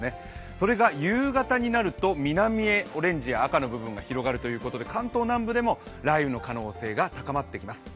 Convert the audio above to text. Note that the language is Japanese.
それが夕方になると、南へオレンジや赤の部分が広がるということで、関東南部でも雷雨の可能性が高まってきます。